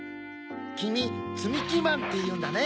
きみつみきまんっていうんだね。